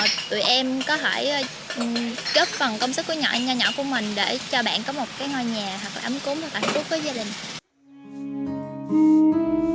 tụi em có thể góp phần công sức của nhỏ nhỏ của mình để cho bạn có một cái ngôi nhà hoặc là ấm cúm hoặc là ấm cúm với gia đình